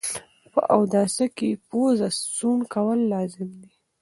په اوداسه کي پوزه سوڼ کول لازم ده